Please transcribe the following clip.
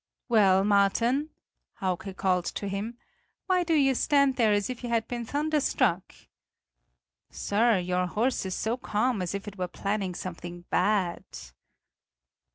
"Well, Marten," Hauke called to him; "why do you stand there as if you had been thunderstruck?" "Sir, your horse is so calm, as if it were planning something bad!"